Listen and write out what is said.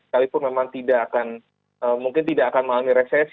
sekalipun memang tidak akan mungkin tidak akan mengalami resesi